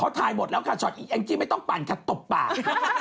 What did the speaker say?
เขาถ่ายหมดแล้วค่ะช็อตอีกแองจี้ไม่ต้องปั่นค่ะตบปาก